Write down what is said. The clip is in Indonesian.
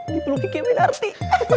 dipeluk kiki aminarti